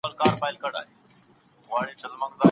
زیاته ډوډۍ ماڼۍ ته یوړل نه سوه.